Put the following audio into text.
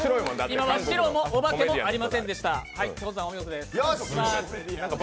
今は、白もおばけもありませんでした。